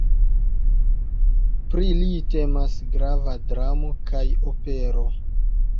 Pri li temas grava dramo kaj opero.